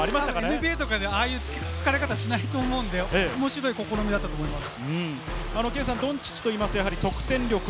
ＮＢＡでは、ああいう付かれ方をしないと思うので、面白い試みだったと思います。